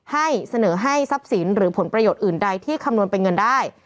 ให้เสนอให้ทรัพย์สินหรือผลประโยชน์อื่นใดที่คำนวณเป็นเงินได้